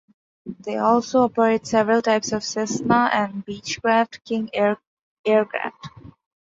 They also operate several types of Cessna and Beechcraft King Air aircraft.